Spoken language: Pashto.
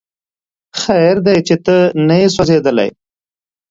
خیر دی چې ته نه یې سوځېدلی